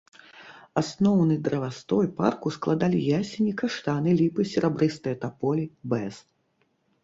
Асноўны дрэвастой парку складалі ясені, каштаны, ліпы, серабрыстыя таполі, бэз.